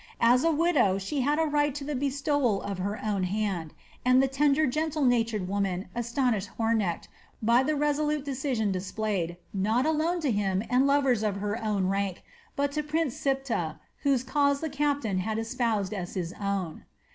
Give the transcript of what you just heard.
As a widow she had a right to the bestowal of her own hand, and the tender, gentle natured woman astonished Hornecht by the resolute decision displayed, not alone to him and lovers of her own rank, but to Prince Siptah, whose cause the captain had espoused as his own.